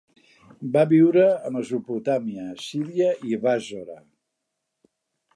Va viure a Mesopotàmia, Síria i Bàssora.